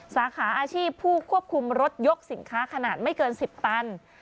สาขาอาชีพผู้ควบคุมรถยกสินค้าขนาดไม่เกิน๑๐ตัน